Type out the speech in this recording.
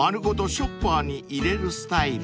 ショッパーに入れるスタイルも］